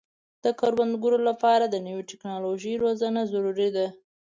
د کروندګرو لپاره د نوې ټکنالوژۍ روزنه ضروري ده.